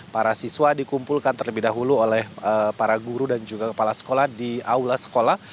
para siswa dikumpulkan terlebih dahulu oleh para guru dan juga kepala sekolah di aula sekolah